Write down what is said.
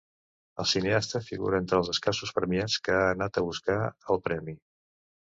El cineasta figura entre els escassos premiats que ha anat buscar el premi.